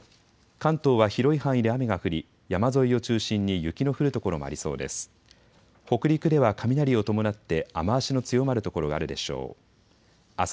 関東は広い範囲で雨が降り山沿いを中心に雪の降る所もありそうです。